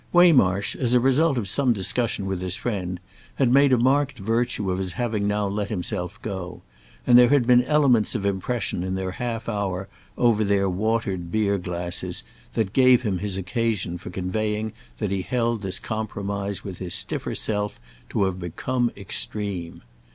Waymarsh, as a result of some discussion with his friend, had made a marked virtue of his having now let himself go; and there had been elements of impression in their half hour over their watered beer glasses that gave him his occasion for conveying that he held this compromise with his stiffer self to have become extreme.